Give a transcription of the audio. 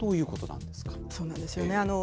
そうなんですよね。